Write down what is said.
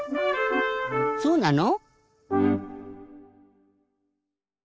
そうなの？